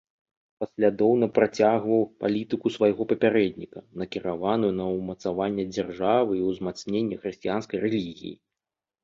Паслядоўна працягваў палітыку свайго папярэдніка, накіраваную на ўмацаванне дзяржавы і ўзмацненне хрысціянскай рэлігіі.